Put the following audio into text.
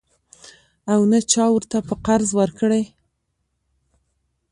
او نه چا ورته په قرض ورکړې.